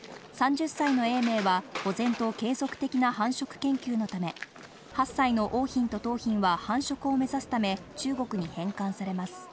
３０歳の永明は保全と継続的な繁殖研究のため、８歳の桜浜と桃浜は繁殖を目指すため中国に返還されます。